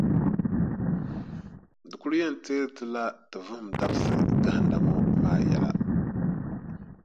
Di kuli yɛn teeri ti la ti vuhim dabisiʼ gahinda ŋɔ maa yɛla.